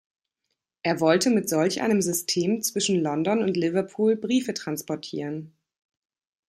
Er wollte mit solch einem System zwischen London und Liverpool Briefe transportieren.